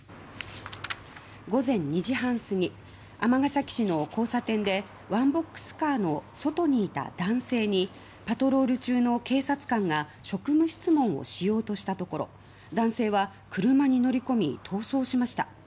午前２時半すぎ尼崎市の交差点でワンボックスカーの外にいた男性にパトロール中の警察官が職務質問をしようとしたところ男性は車に乗り込み逃走しました。